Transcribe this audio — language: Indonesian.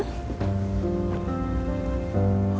lagi terdor ya